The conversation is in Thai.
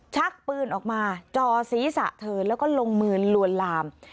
ชักปืนออกมาจ่อศีรษะเธอแล้วก็ลงมือลวนลาม